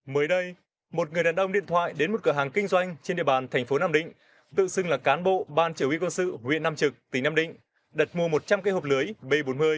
mới đây một người đàn ông điện thoại đến một cửa hàng kinh doanh trên địa bàn thành phố nam định tự xưng là cán bộ ban chỉ huy quân sự huyện nam trực tỉnh nam định đặt mua một trăm linh cây hộp lưới b bốn mươi